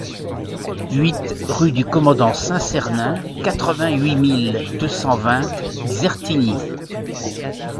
huit rue du Commandant Saint-Sernin, quatre-vingt-huit mille deux cent vingt Xertigny